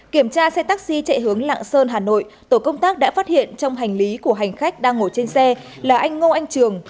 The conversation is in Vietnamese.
kiểm tra xe taxi chạy hướng lạng sơn hà nội tổ công tác đã phát hiện trong hành lý của hành khách đang ngồi trên xe là anh ngô anh trường